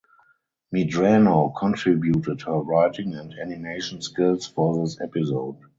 Medrano contributed her writing and animation skills for this episode.